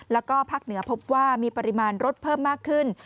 แล้วก็ภาคเหนือพบว่ามีปริมาณรถเพิ่มมากขึ้น